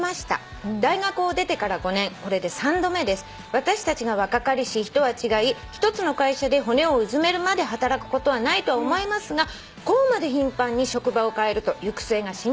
「私たちが若かりし日とは違い１つの会社で骨をうずめるまで働くことはないと思いますがこうまで頻繁に職場を変えると行く末が心配でなりません」